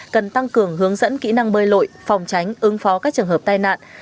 cần tăng cường hướng dẫn kỹ năng bơi lội phòng tránh ứng phó các trường hợp tai nạn